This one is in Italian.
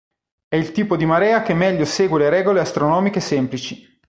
È il tipo di marea che meglio segue le regole astronomiche semplici.